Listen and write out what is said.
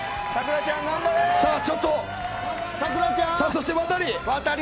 そしてワタリ。